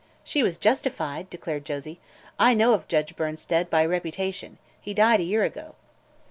"She was justified," declared Josie. "I know of Judge Bernsted, by reputation. He died a year ago."